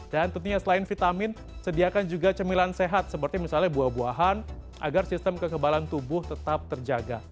dan tentunya selain vitamin sediakan juga cemilan sehat seperti misalnya buah buahan agar sistem kekebalan tubuh tetap terjaga